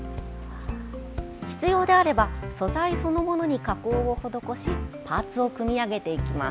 必要であれば素材そのものに加工を施しパーツを組み上げていきます。